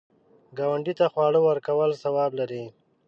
ګاونډي ته خواړه ورکول ثواب لري